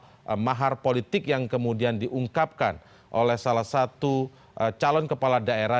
ada mahar politik yang kemudian diungkapkan oleh salah satu calon kepala daerah